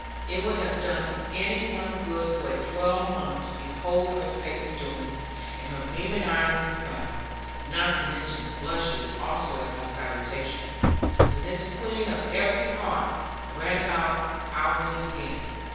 It would have done any one good for a twelve month to behold her face and doings, and her beaming eyes and smile (not to mention blushes also at my salutation), when this Queen of every heart ran about our rooms again.